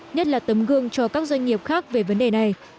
nhất là tấm gương cho các doanh nghiệp khác về vấn đề này